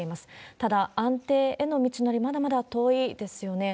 ただ、安定への道のり、まだまだ遠いですよね。